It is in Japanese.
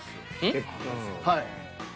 はい。